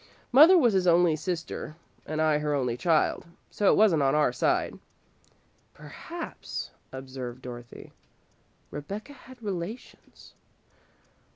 Mother was his only sister, and I her only child, so it wasn't on our side." "Perhaps," observed Dorothy, "Aunt Rebecca had relations."